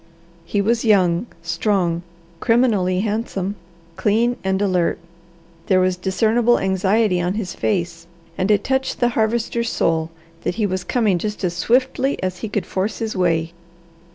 He was young, strong, criminally handsome, clean and alert; there was discernible anxiety on his face, and it touched the Harvester's soul that he was coming just as swiftly as he could force his way.